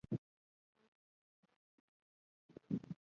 قانون پر چا پلی کیږي؟